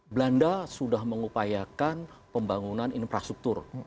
belanda sudah mengupayakan pembangunan infrastruktur